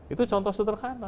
itu contoh suterkana